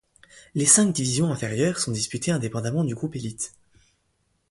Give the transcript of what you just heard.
Les cinq divisions inférieures sont disputées indépendamment du groupe élite.